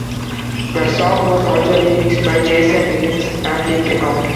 The song was also remixed by Jason Nevins and Tin-Tin Out.